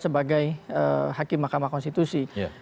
sebagai hakim mahkamah konstitusi